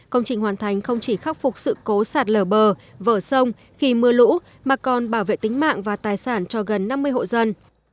công trình hoàn thành không chỉ khắc phục sự cố sạt lở bờ vở sông khi mưa lũ mà còn bảo vệ tính mạng và tài sản cho gần năm mươi hộ dân